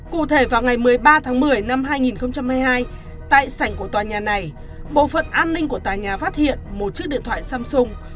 cụ thể vào ngày một mươi ba tháng một mươi năm hai nghìn hai mươi hai tại sảnh của tòa nhà này bộ phận an ninh của tòa nhà phát hiện một chiếc điện thoại samsung